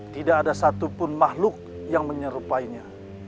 tidak ada satupun makhluk yang menyerupainya